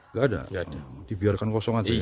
nggak ada dibiarkan kosong aja